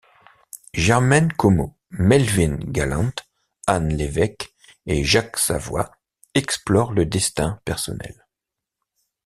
Germaine Comeau, Melvin Gallant, Anne Lévesque et Jacques Savoie explorent le destin personnel.